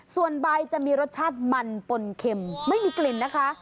ส่วนใบจะมีรสชาติมันปนเข็มไม่มีกลิ่นนะคะ